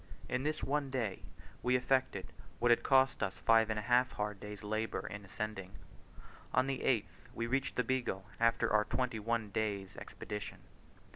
In this one day we effected what had cost us five and a half hard days' labour in ascending. On the 8th, we reached the Beagle after our twenty one days' expedition.